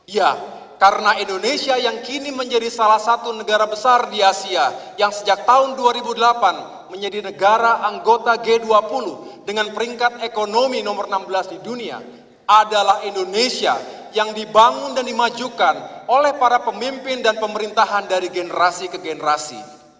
ya karena indonesia yang kini menjadi salah satu negara besar di asia yang sejak tahun dua ribu delapan menjadi negara anggota g dua puluh dengan peringkat ekonomi nomor enam belas di dunia adalah indonesia yang dibangun dan dimajukan oleh para pemimpin dan pemerintahan dari generasi ke generasi